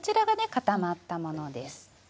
固まったものです。